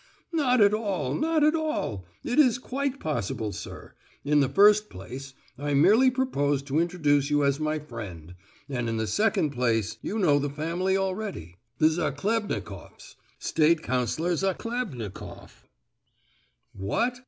"Not at all—not at all; it is quite possible, sir. In the first place, I merely propose to introduce you as my friend; and in the second place, you know the family already, the Zachlebnikoff's—State Councillor Zachlebnikoff!" "What?